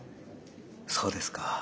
そうですか。